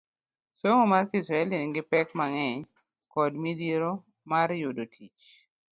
Somo mar Kiswahili nigi pek mang'eny kod midhiero mar yudo tich